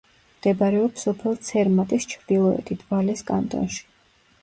მდებარეობს სოფელ ცერმატის ჩრდილოეთით, ვალეს კანტონში.